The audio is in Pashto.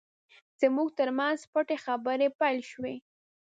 زموږ ترمنځ پټې خبرې پیل شوې.